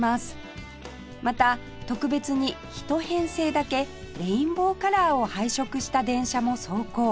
また特別に１編成だけレインボーカラーを配色した電車も走行